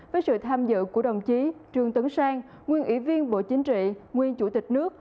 với sự tham dự của đồng chí trương tấn sang nguyên ủy viên bộ chính trị nguyên chủ tịch nước